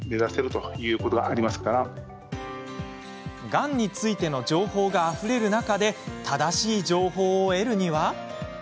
がんについての情報があふれる中で正しい情報を得るには？